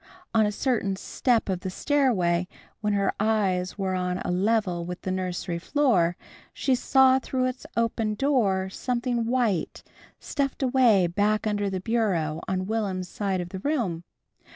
On a certain step of the stairway when her eyes were on a level with the nursery floor, she saw through its open door, something white, stuffed away back under the bureau on Will'm's side of the room.